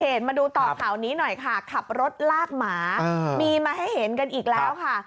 มาดูต่อข่าวนี้หน่อยค่ะขับรถลากหมามีมาให้เห็นกันอีกแล้วค่ะ